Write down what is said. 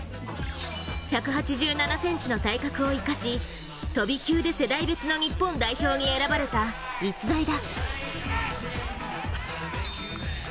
１８７ｃｍの体格を生かし、飛び級で世代別の日本代表に選ばれた逸材だ。